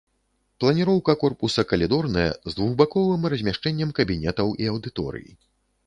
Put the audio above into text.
Планіроўка корпуса калідорная з двухбаковым размяшчэннем кабінетаў і аўдыторый.